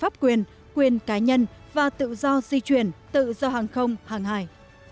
pháp quyền quyền cá nhân và tự do di chuyển tự do hàng không hàng hải